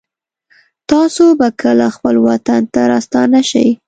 تاسو به کله خپل وطن ته راستانه شئ